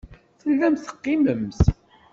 Tellamt teqqimemt.